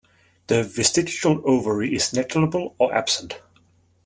The vestigial ovary is negligible or absent.